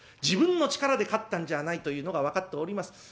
自分の力で勝ったんじゃないというのが分かっております。